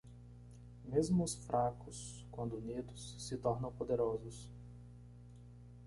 Mesmo os? fracos quando unidos? se tornam poderosos.